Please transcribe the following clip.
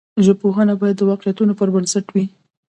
ژبپوهنه باید د واقعیتونو پر بنسټ وي.